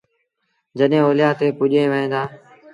جڏهيݩ اوليآ تي پُڄيٚن وهيݩ دآ